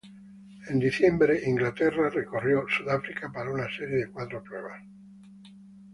En diciembre, Inglaterra recorrió Sudáfrica para una serie de cuatro pruebas.